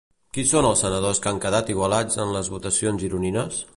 Qui són els senadors que han quedat igualats en les votacions gironines?